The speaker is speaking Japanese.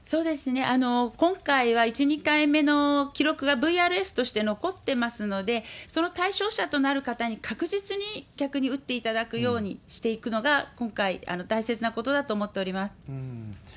今回は１、２回目の記録がＶＲＳとして残ってますので、その対象者となる方に確実に、逆に打っていただくようにしていくのが、今回大切なことだと思っております。